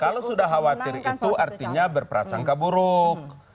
kalau sudah khawatir itu artinya berprasangka buruk